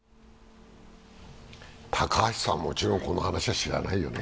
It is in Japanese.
高橋さん、もちろんこの話は知らないよね？